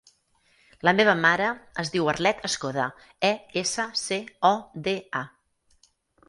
La meva mare es diu Arlet Escoda: e, essa, ce, o, de, a.